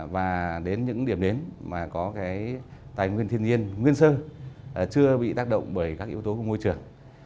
và đến những điểm đến mà có cái tài nguyên thiên nhiên nguyên sơ chưa bị tác động bởi các yếu tố của môi trường